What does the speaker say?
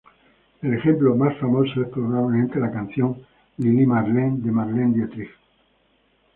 El ejemplo más famoso es probablemente la canción "Lili Marleen" de Marlene Dietrich.